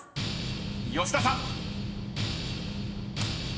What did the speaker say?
［吉田さん］